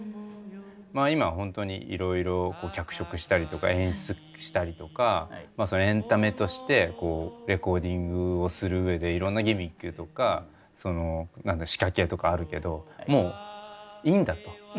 まあ今ホントにいろいろ脚色したりとか演出したりとかエンタメとしてレコーディングをするうえでいろんなギミックとか仕掛けとかあるけどもういいんだと。